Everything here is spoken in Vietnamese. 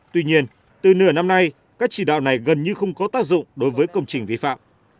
tuy nhiên từ nửa năm nay các chỉ đạo này gần như không có tác dụng đối với công trình vi phạm